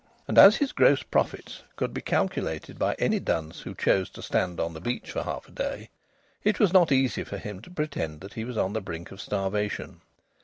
And as his gross profits could be calculated by any dunce who chose to stand on the beach for half a day, it was not easy for him to pretend that he was on the brink of starvation.